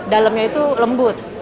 dalamnya itu lembut